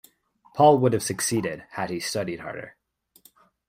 Paul would have succeeded had he studied harder.